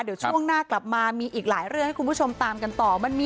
เดี๋ยวช่วงหน้ากลับมามีอีกหลายเรื่องให้คุณผู้ชมตามกันต่อ